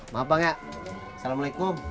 maaf bang ya assalamualaikum